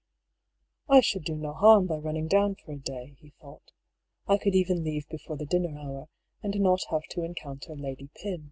" I should do no harm by running down for a day,'* he thought. "I could even leave before the dinner hour, and not have to encounter Lady Pym."